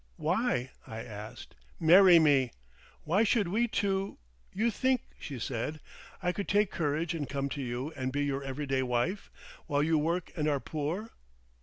"Why?" I asked. "Marry me! Why should we two—" "You think," she said, "I could take courage and come to you and be your everyday wife—while you work and are poor?"